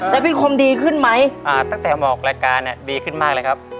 แล้วพี่คมดีขึ้นไหมตั้งแต่ออกรายการดีขึ้นมากเลยครับ